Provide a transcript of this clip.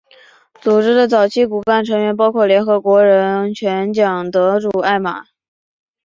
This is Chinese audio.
组织的早期骨干成员包括联合国人权奖得主艾玛。